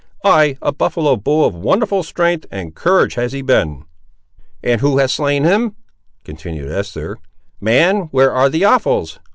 Ay, a buffaloe bull of wonderful strength and courage has he been!" "And who has slain him?" continued Esther; "man where are the offals?